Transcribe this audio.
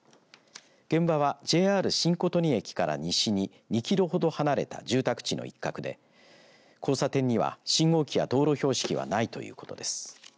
現場は、ＪＲ新琴似駅から西に２キロほど離れた住宅地の一角で交差点には信号機や道路標識はないということです。